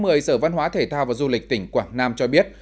văn nghệ sở văn hóa thể thao và du lịch tỉnh quảng nam cho biết